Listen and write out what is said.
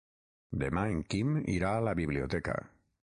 Demà en Quim irà a la biblioteca.